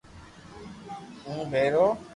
ھون پيرو